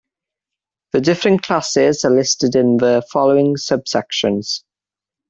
The different classes are listed in the following subsections.